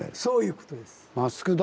そういうことです。